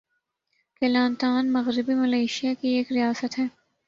"Kelantan" مغربی Malaysia کی ایک ریاست ہے۔